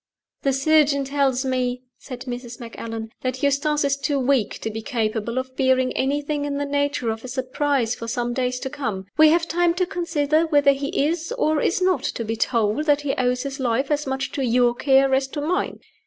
"The surgeon tells me," said Mrs. Macallan, "that Eustace is too weak to be capable of bearing anything in the nature of a surprise for some days to come. We have time to consider whether he is or is not to be told that he owes his life as much to your care as to mine.